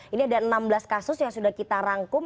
ini ada enam belas kasus yang sudah kita rangkum